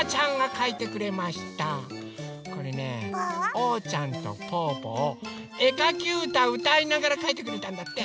おうちゃんとぽぅぽをえかきうたうたいながらかいてくれたんだって。